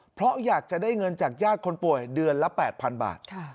เพราะอยากจะได้เงินจากญาติคนป่วยเดือนละ๘๐๐๐บาท